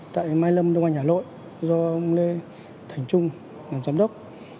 tại mai lâm đông anh hà nội do ông lê thành trung làm giám đốc